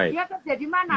dia kerja di mana